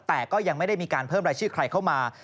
แต่ก็ยังไม่ได้มีการเพิ่มรายชื่อใครเข้ามา